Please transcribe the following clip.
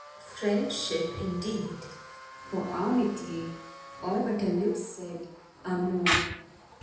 Friendship, indeed! For amitie all but her lips said amour.